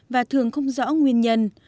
và thường không rõ nguyên nhân